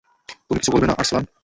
তুমি কিছু বলবে না, আর্সলান।